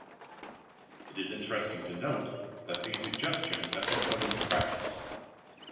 It is interesting to note that these suggestions have been put into practice.